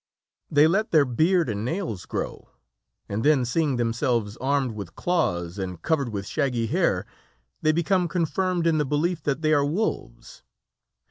They let their beard and nails grow, and then seeing themselves armed with claws and covered with shaggy hair, they become confirmed in the belief that they are wolves.